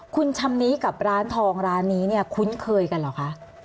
คุณชำนี้กับร้านทองร้านนี้เนี่ยคุ้นเคยกันเหรอคะ